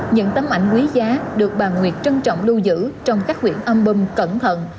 những tấm ảnh quý giá được bà nguyệt trân trọng lưu giữ trong các quyển album cẩn thận